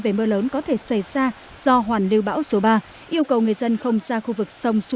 về mưa lớn có thể xảy ra do hoàn lưu bão số ba yêu cầu người dân không ra khu vực sông